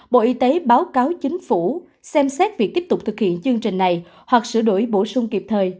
bộ y tế báo cáo chính phủ xem xét việc tiếp tục thực hiện chương trình này hoặc sửa đổi bổ sung kịp thời